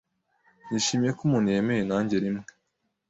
Nishimiye ko umuntu yemeye nanjye rimwe.